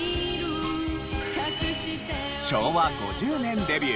昭和５０年デビュー